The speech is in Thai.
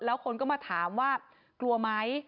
แล้วคนก็มาถามว่ากลัวไหม